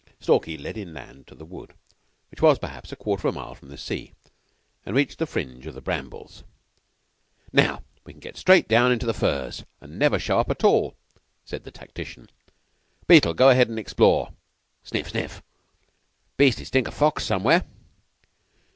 Stalky led inland to the wood, which was, perhaps, a quarter of a mile from the sea, and reached the fringe of the brambles. "Now we can get straight down through the furze, and never show up at all," said the tactician. "Beetle, go ahead and explore. Snf! Snf! Beastly stink of fox somewhere!"